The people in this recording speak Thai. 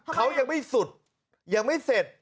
เขายังไม่สุดยังไม่เสร็จ